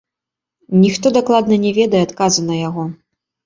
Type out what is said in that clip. Ніхто дакладна не ведае адказу на яго.